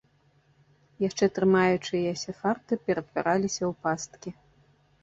Яшчэ трымаючыяся фарты ператвараліся ў пасткі.